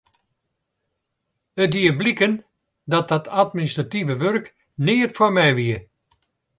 It die bliken dat dat administrative wurk neat foar my wie.